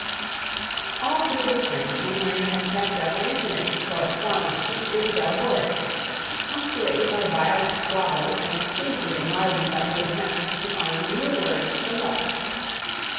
All through the spring Amory had kept up an intermittent correspondence with Isabelle Borge, punctuated by violent squabbles and chiefly enlivened by his attempts to find new words for love.